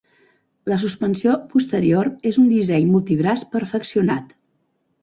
La suspensió posterior és un disseny multibraç perfeccionat.